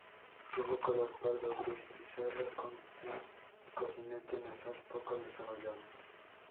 Es de color pardo o gris pizarra, con un cojinete nasal poco desarrollado.